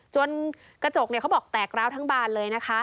กระจกเขาบอกแตกร้าวทั้งบานเลยนะคะ